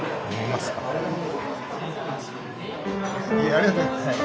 ありがとうございます。